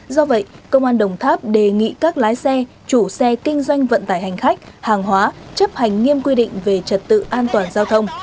do vậy công an đồng tháp đề nghị các lái xe chủ xe kinh doanh vận tải hành khách hàng hóa chấp hành nghiêm quy định về trật tự an toàn giao thông